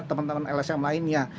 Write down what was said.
teman teman l sam lainnya